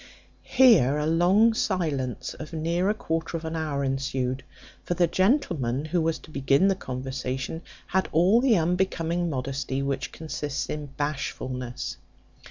Here a long silence of near a quarter of an hour ensued; for the gentleman who was to begin the conversation had all the unbecoming modesty which consists in bashfulness.